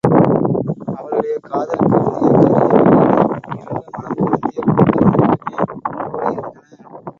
அவளுடைய காதல் பொருந்திய கரிய விழிகளும், இருண்ட மணம் பொருந்திய கூந்தலும் மட்டுமே முன்போல இருந்தன.